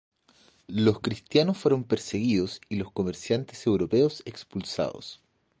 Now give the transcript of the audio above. Los cristianos fueron perseguidos y los comerciantes europeos expulsados.